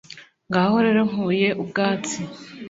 Ngaho rero nkuye ubwatsi